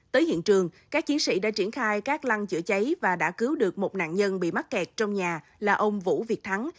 tới hiện trường các chiến sĩ đã triển khai các lăng chữa cháy và đã cứu được một nạn nhân bị mắc kẹt trong nhà là ông vũ việt thắng